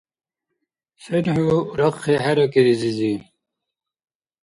Сен хӀу рахъхӀи хӀеракӀири, зизи?